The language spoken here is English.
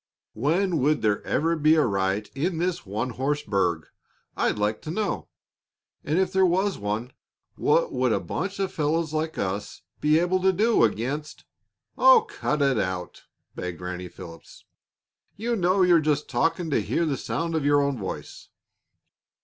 When would there ever be a riot in this one horse burg? I'd like to know. And if there was one, what would a bunch of fellows like us be able to do against " "Oh, cut it out!" begged Ranny Phelps. "You know you're just talking to hear the sound of your own voice."